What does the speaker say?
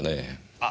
あっ。